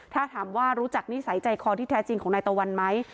ถ้าถามว่ารู้จักนิสัยใจคอที่แท้จริงของนายตะวันไหม